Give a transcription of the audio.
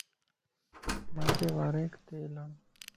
مانجي وارينکَ تيل ھڻ